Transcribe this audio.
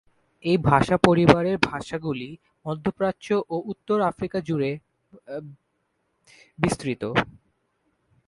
এই ভাষা পরিবারের ভাষাগুলি মধ্যপ্রাচ্য ও উত্তর আফ্রিকা জুড়ে বিস্তৃত।